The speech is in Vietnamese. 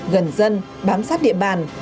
gần dân bám sát địa bàn